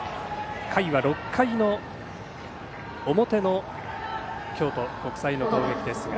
回は６回の表の京都国際の攻撃ですが。